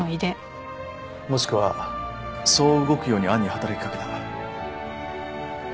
もしくはそう動くように暗に働き掛けた。